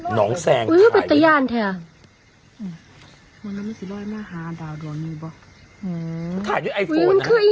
หนองแสงอุ้ยมันเป็นตะยานแท้อ่ะอืมถ่ายด้วยไอโฟนอ่ะ